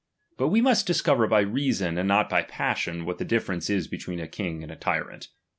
■ But we must discover by reason, and not by paj5 sion, what the difference is between a king and a tyrant.